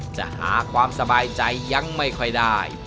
จะหาความสบายใจยังไม่ค่อยได้